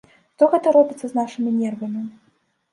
Што гэта робіцца з нашымі нервамі?